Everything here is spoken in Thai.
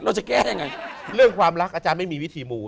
เราจะแก้ยังไงเรื่องความรักอาจารย์ไม่มีวิธีมูล